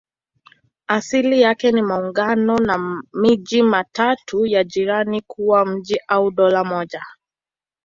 Asili yake ni maungano ya miji mitatu ya jirani kuwa mji au dola moja.